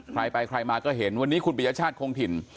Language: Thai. ใครไปใครมาก็เห็นวันนี้คุณปริยชาติคงถิ่น